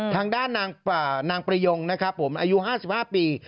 ทางด้านนางประยงอายุ๕๕ปี